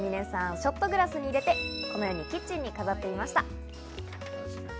ショットグラスに入れて、このようにキッチンに飾っていました。